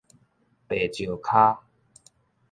白石跤